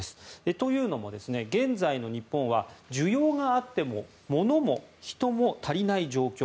というのも現在の日本は需要があっても物も人も足りない状況。